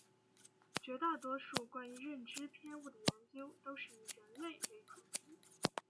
绝大多数关于认知偏误的研究都是以人类为主体。